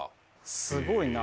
すごいな。